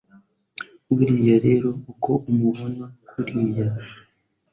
buriya rero uko umubona kuriya